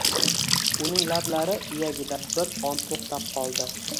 Uning lablari, iyagida bir on to’xtab qoldi.